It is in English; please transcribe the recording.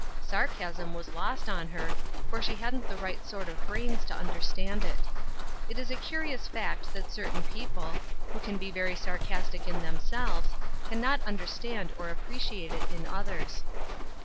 Sarcasm was lost on her, for she hadn't the right sort of brains to understand it. It is a curious fact that certain people, who can be very sarcastic in themselves, can not under stand or appreciate it in others.